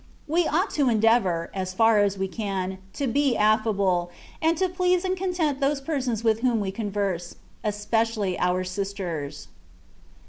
We ought to endeavour, as far as we can, to be affable, and to please and content those persons with whom we converse, and especially our sisters.